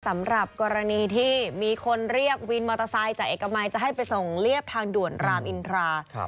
สำหรับกรณีที่มีคนเรียกวินมอเตอร์ไซค์จากเอกมัยจะให้ไปส่งเรียบทางด่วนรามอินทรา